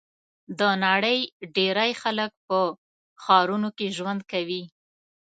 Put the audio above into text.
د نړۍ ډېری خلک په ښارونو کې ژوند کوي.